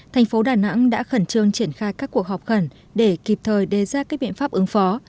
thành phố đà nẵng đã khẩn trương triển khai các cuộc họp khẩn để kịp thời đề ra các biện pháp ứng phó